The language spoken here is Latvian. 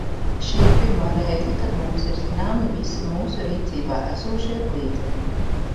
Šī ir pirmā reize, kad mums ir zināmi visi mūsu rīcībā esošie līdzekļi.